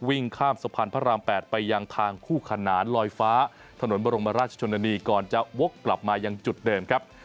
วิ่งข้ามสะพานพระราม๘ไปยังทางคู่ขนานลอยฟ้าถนนบรมราชชนนานีก่อนจะวกกลับมายังจุดเดิมครับ